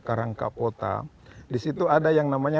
karangkapota di situ ada yang namanya